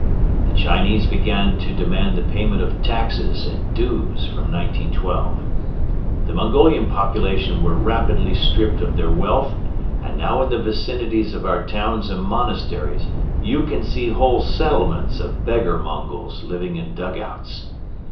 The Chinese began to demand the payment of taxes and dues from 1912. The Mongolian population were rapidly stripped of their wealth and now in the vicinities of our towns and monasteries you can see whole settlements of beggar Mongols living in dugouts.